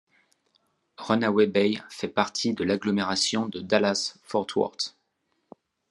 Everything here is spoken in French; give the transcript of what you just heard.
Runaway Bay fait partie de l’agglomération de Dallas-Fort Worth.